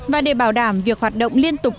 và để bảo đảm việc hoạt động liên tục